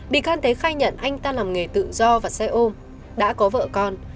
đi can thế khai nhận anh ta làm nghề tự do và xe ôm đã có vợ con